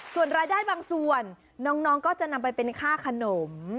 ส่วนรายได้บางส่วนน้องก็จะนำไปเป็นค่าขนม